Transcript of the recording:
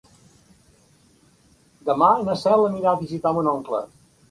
Demà na Cel anirà a visitar mon oncle.